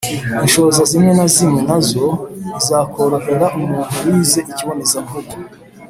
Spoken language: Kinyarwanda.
Inshoza zimwe na zimwe na zo ntizakorohera umuntu wize ikibonezamvugo.